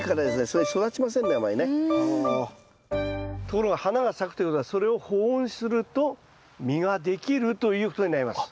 ところが花が咲くということはそれを保温すると実ができるということになります。